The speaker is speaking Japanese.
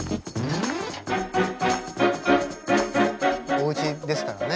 おうちですからね。